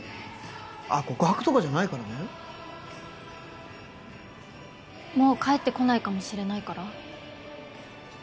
あっ告白とかじゃないからねもう帰ってこないかもしれないから？